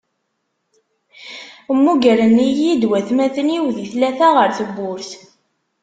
Mmugren-iyi-d watmaten-iw di tlata ɣer tewwurt.